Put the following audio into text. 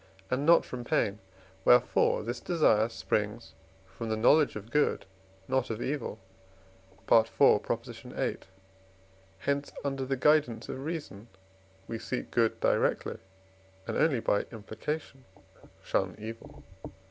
and not from pain; wherefore this desire springs from the knowledge of good, not of evil (IV. viii.); hence under the guidance of reason we seek good directly and only by implication shun evil.